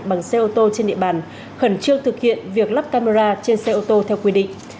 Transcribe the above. bằng xe ô tô trên địa bàn khẩn trương thực hiện việc lắp camera trên xe ô tô theo quy định